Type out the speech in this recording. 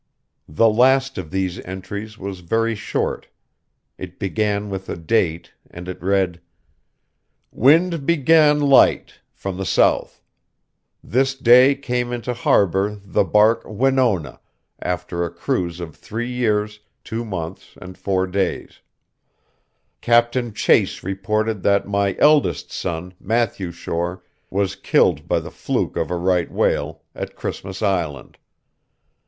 The last of these entries was very short. It began with a date, and it read: "Wind began light, from the south. This day came into Harbor the bark Winona, after a cruise of three years, two months, and four days. Captain Chase reported that my eldest son, Matthew Shore, was killed by the fluke of a right whale, at Christmas Island.